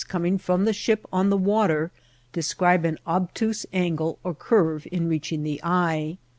coming from the ship on the water describe an obtuse angle or curve in reaching the eye.